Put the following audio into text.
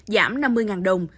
giảm năm mươi đồng